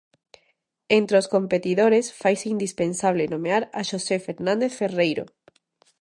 Entre os competidores, faise indispensable nomear a Xosé Fernández Ferreiro.